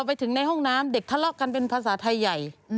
ไปถึงในห้องน้ำเด็กทะเลาะกันเป็นภาษาไทยใหญ่